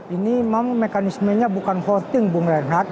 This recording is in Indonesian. ini memang mekanismenya bukan voting bang renhat